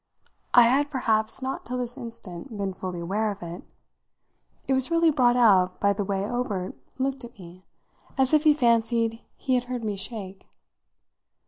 I had perhaps not till this instant been fully aware of it it was really brought out by the way Obert looked at me as if he fancied he had heard me shake.